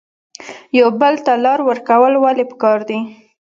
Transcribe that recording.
یو بل ته لار ورکول ولې پکار دي؟